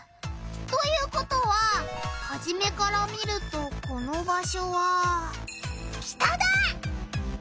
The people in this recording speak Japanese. ということはハジメから見るとこの場しょは北だ！